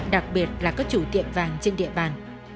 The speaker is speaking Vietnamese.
đặc biệt là các chủ tiệm vàng trên địa bàn